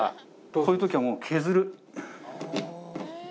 こういう時は削る。